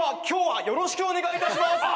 今日はよろしくお願いいたします。